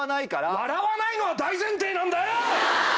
笑わないのは大前提なんだよ‼